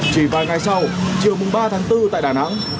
chỉ vài ngày sau chiều ba tháng bốn tại đà nẵng